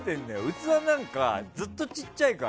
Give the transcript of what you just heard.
器なんかずっとちっちゃいから。